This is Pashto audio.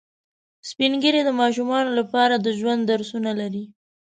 سپین ږیری د ماشومانو لپاره د ژوند درسونه لري